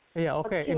terima kasih sayang